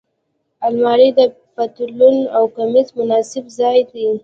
الماري د پتلون او کمیس مناسب ځای دی